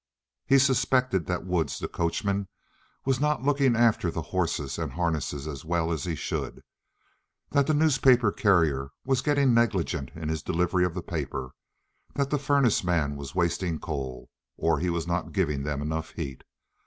He suspected that Woods, the coachman, was not looking after the horses and harnesses as well as he should, that the newspaper carrier was getting negligent in his delivery of the papers, that the furnace man was wasting coal, or was not giving them enough heat.